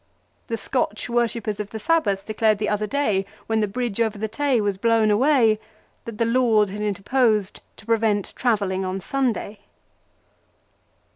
The Scotch worshippers of the Sabbath declared the other day, when the bridge over the Tay was blown away, that the Lord had interposed to prevent travelling on Sunday